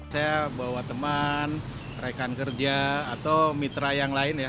saya bawa teman rekan kerja atau mitra yang lain ya